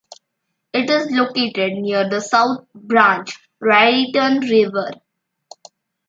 It is located near the South Branch Raritan River.